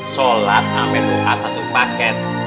sholat amin doa satu paket